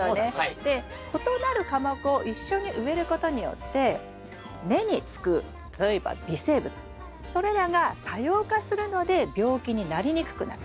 で異なる科目を一緒に植えることによって根につく例えば微生物それらが多様化するので病気になりにくくなる。